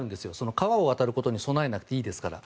川を渡ることに備えなくていいですから。